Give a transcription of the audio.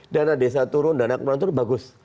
dana desa turun dana kelurahan turun bagus